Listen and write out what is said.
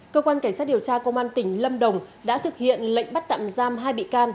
cơ quan cảnh sát điều tra công an tỉnh lâm đồng đã thực hiện lệnh bắt tạm giam hai bị can